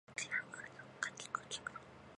この客はよく柿食う客だ